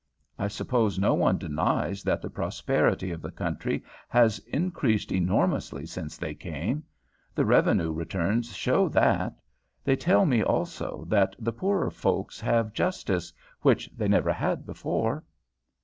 I suppose no one denies that the prosperity of the country has increased enormously since they came. The revenue returns show that. They tell me, also, that the poorer folks have justice, which they never had before."